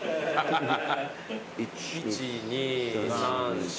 １２３４。